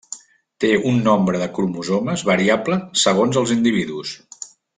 Té un nombre de cromosomes variable segons els individus.